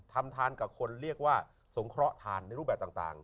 ทำทานกับคนเรียกว่าสงเคราะห์ทานในรูปแบบต่าง